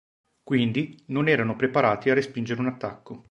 Quindi, non erano preparati a respingere un attacco.